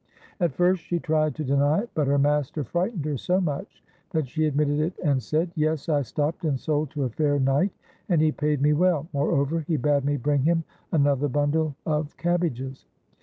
At first she tried to deny it, but her master frightened her so much that she admitted it and said :— "Yes, I stopped and sold to a fair knight, and he paid me well. Moreover, he bade me bring him another bundle of cabbages."